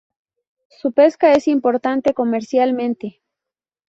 Su pesca es importante comercialmente.